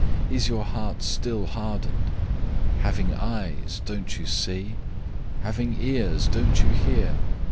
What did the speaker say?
Is your heart still hardened? 008:018 Having eyes, don't you see? Having ears, don't you hear?